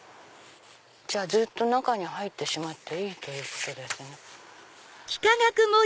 じゃあ中に入ってしまっていいということですね。